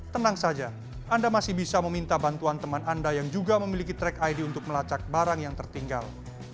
tenang saja anda masih bisa meminta bantuan teman anda yang juga memiliki track id untuk melacak barang yang tertinggal